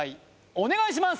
お願いします！